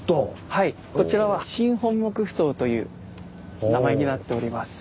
はいこちらは「新本牧ふ頭」という名前になっております。